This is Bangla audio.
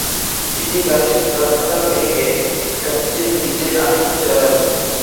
তিনি গাছের ডালপালা ভেঙে গাছটির নিচে আগুন জ্বালালেন।